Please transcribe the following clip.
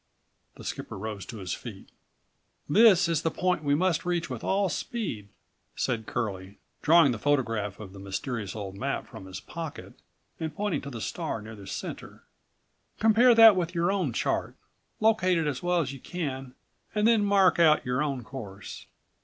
The skipper rose to his feet. "This is the point we must reach with all speed," said Curlie, drawing the photograph of131 the mysterious old map from his pocket and pointing to the star near the center. "Compare that with your own chart, locate it as well as you can and then mark out your own course."